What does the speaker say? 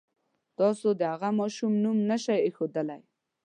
تاسو د هغه ماشوم نوم نه شئ اېښودلی.